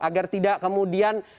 agar tidak kemudian